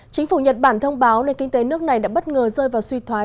chính phủ nhật bản thông báo nền kinh tế nước này đã bất ngờ rơi vào suy thoái